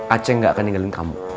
aceh gak akan ninggalin kamu